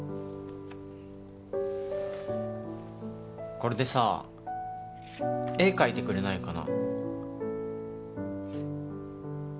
これでさ絵描いてくれないかな？